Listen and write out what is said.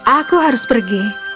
aku harus pergi